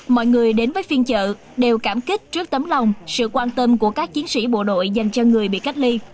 mọi người đến với phiên chợ đều cảm kích trước tấm lòng sự quan tâm của các chiến sĩ bộ đội dành cho người bị cách ly